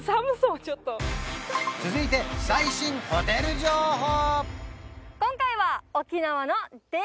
続いて最新ホテル情報！